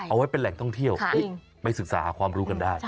เอาไว้เป็นแหล่งท่องเที่ยวไปศึกษาหาความรู้กันได้